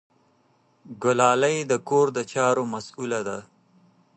ګلالۍ د کور د چارو مسؤله ده.